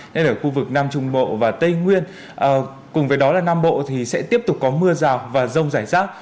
nên ở khu vực nam trung bộ và tây nguyên cùng với đó là nam bộ thì sẽ tiếp tục có mưa rào và rông rải rác